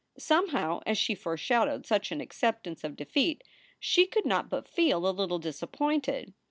Somehow, as she foreshadowed such an ac ceptance of defeat, she could not but feel a little disappointed.